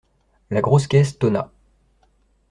La grosse caisse tonna.